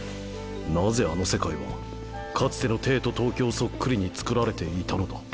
なぜあの世界はかつての帝都東京そっくりにつくられていたのだ？